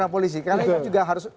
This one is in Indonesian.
polisi karena itu juga harus